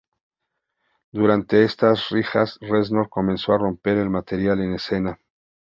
Durante estas giras, Reznor comenzó a romper el material en escena.